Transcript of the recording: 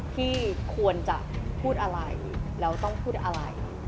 ที่ควรจะพูดอะไรแล้วต้องพูดอะไร